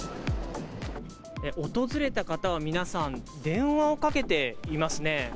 訪れた方は皆さん、電話をかけていますね。